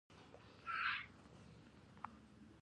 ازادي راډیو د مالي پالیسي د اغیزو په اړه مقالو لیکلي.